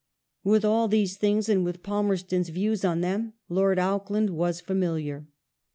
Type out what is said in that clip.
With all these things and with Palmerston's views on them Lord Auckland was familiar.